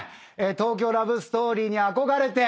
『東京ラブストーリー』に憧れて